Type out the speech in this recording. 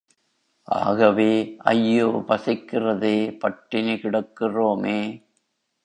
ஆகவே, ஐயோ பசிக்கிறதே பட்டினி கிடக்கிறோமே!